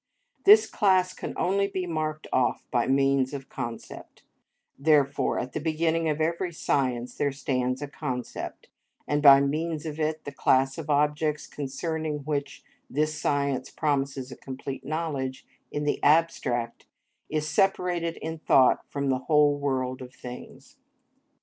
This class can only be marked off by means of a concept; therefore, at the beginning of every science there stands a concept, and by means of it the class of objects concerning which this science promises a complete knowledge in the abstract, is separated in thought from the whole world of things.